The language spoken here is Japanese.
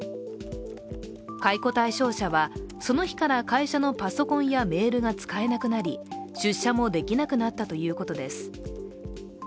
解雇対象者は、その日から会社のパソコンやメールが使えなくなり出社もできなくなったということです。